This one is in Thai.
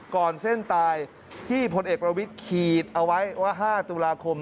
ก่อนเส้นตายที่พลเอกประวิทย์ขีดเอาไว้ว่า๕ตุลาคม